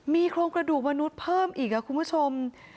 มีโครงกระดูกมนุษย์เพิ่มอีกคุณผู้ชม